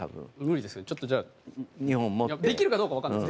ちょっとじゃあできるかどうか分かんないです。